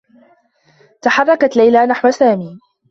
تحرّكت ليلى نحو سامي.